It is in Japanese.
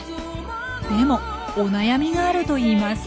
でもお悩みがあるといいます。